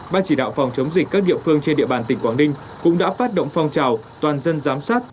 ban chỉ đạo phòng chống dịch các địa phương trên địa bàn tỉnh quảng ninh cũng đã phát động phong trào toàn dân giám sát